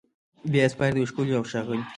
بیا یې سپاري د یو ښکلي اوښاغلي